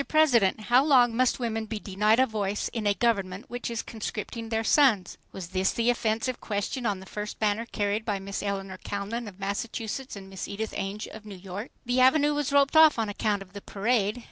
PRESIDENT, HOW LONG MUST WOMEN BE DENIED A VOICE IN A GOVERNMENT WHICH IS CONSCRIPTING THEIR SONS? was the offensive question on the first banner carried by Miss Eleanor Calnan of Massachusetts and Miss Edith Ainge of New York. The Avenue was roped off on account of the parade.